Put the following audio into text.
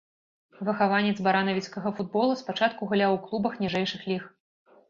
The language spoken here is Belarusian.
Выхаванец баранавіцкага футбола, спачатку гуляў у клубах ніжэйшых ліг.